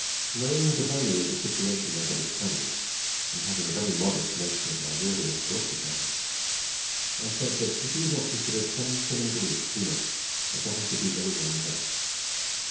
Knowing the value of the situation I had obtained, and having a very modest notion of my worthiness to occupy it, I said, that if he would not consider 10s. a week too much, I thought I could do very well with that.